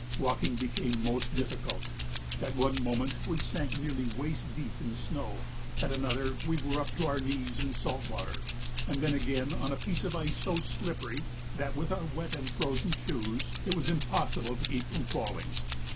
Walking became most difficult. At one moment we sank nearly waist deep in snow, at another we were up to our knees in salt water, and then again on a piece of ice so slippery that, with our wet and frozen shoes, it was impossible to keep from falling.